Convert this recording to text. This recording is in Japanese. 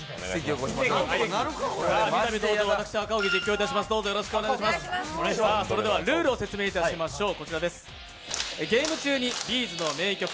再び登場、私、赤荻が実況いたします。ルールを説明いたしましょう。